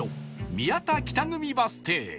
宮田北組バス停